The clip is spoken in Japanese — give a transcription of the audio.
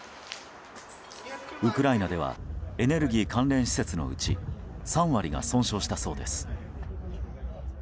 ウクライナではエネルギー関連施設のうち３割が損傷したそうです。